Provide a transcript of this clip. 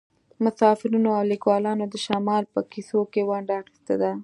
مسافرینو او لیکوالانو د شمال په کیسو کې ونډه اخیستې ده